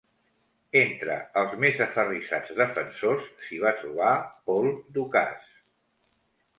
Entre els més aferrissats defensors s'hi va trobar Paul Dukas.